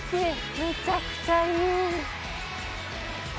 むちゃくちゃいい。